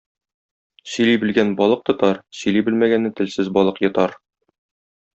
Сөйли белгән балык тотар, сөйли белмәгәнне телсез балык йотар.